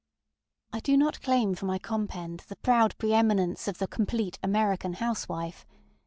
I do not claim for my compend the proud pre eminence of the ŌĆ£Complete American Housewife.